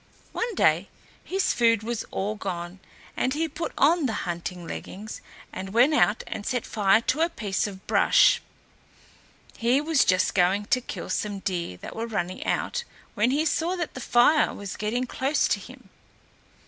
One day his food was all gone, and he put on the hunting leggings and went out and set fire to a piece of brush. He was just going to kill some deer that were running out, when he saw that the fire was getting close to him.